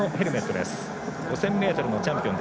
５０００ｍのチャンピオン。